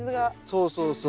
そうそうそう。